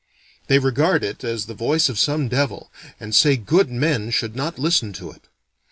They regard it as the voice of some devil, and say good men should not listen to it.